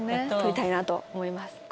撮りたいなと思います。